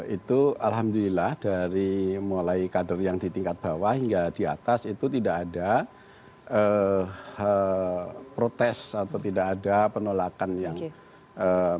itu alhamdulillah dari mulai kader yang di tingkat bawah hingga di atas itu tidak ada protes atau tidak ada penolakan